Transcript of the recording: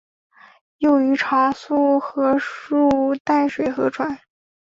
幼鱼常溯河入淡水河川。